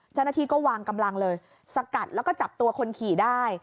เจ้าหน้าที่ก็วางกำลังเลยสกัดแล้วก็จับตัวคนขี่ได้